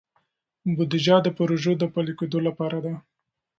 بودیجه د پروژو د پلي کیدو لپاره ده.